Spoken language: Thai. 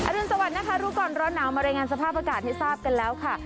รุนสวัสดินะคะรู้ก่อนร้อนหนาวมารายงานสภาพอากาศให้ทราบกันแล้วค่ะ